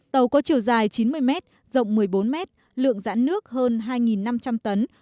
tàu có chiều dài chín mươi m rộng một mươi bốn mét lượng dãn nước hơn hai năm trăm linh tấn